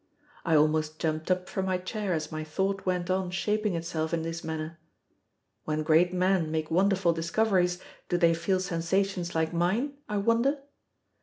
I almost jumped up from my chair as my thought went on shaping itself in this manner. When great men make wonderful discoveries, do they feel sensations like mine, I wonder?